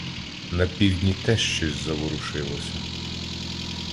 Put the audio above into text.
- На півдні теж щось заворушилося.